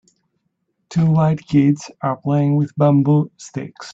Two white kids are playing with bamboo sticks.